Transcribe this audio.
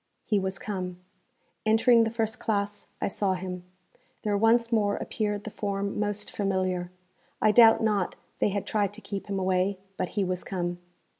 He was come. Entering the first classe, I saw him. There once more appeared the form most familiar. I doubt not they had tried to keep him away, but he was come.